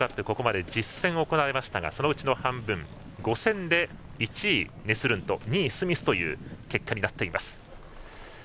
ここまで１０戦行われましたがそのうちの半分５戦で１位、ネスルント２位スミスという結果になっています。